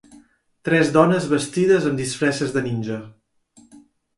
Tres dones vestides amb disfresses de ninja.